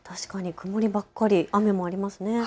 曇りばっかり、雨もありますね。